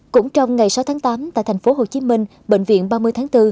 cũng trong ngày sáu tháng tám tại thành phố hồ chí minh bệnh viện ba mươi tháng bốn